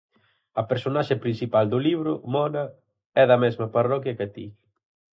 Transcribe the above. A personaxe principal do libro, Mona, é da mesma parroquia ca ti.